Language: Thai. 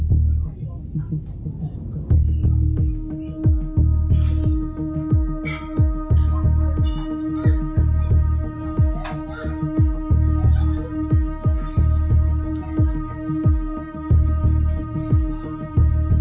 แต่อย่ามารับหน้าวินอย่างนี้อย่ามารับหน้าตึกแบบนั้น